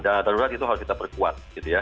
dana darurat itu harus kita perkuat